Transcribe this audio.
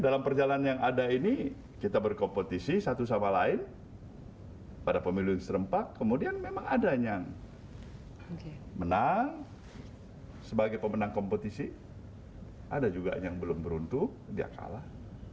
dalam perjalanan yang ada ini kita berkompetisi satu sama lain pada pemilu serempak kemudian memang ada yang menang sebagai pemenang kompetisi ada juga yang belum beruntung dia kalah